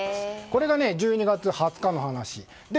これが１２月２０日の話で